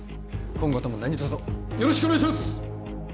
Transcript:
今後とも何とぞよろしくお願いします！